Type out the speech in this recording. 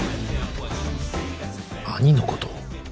兄のことを？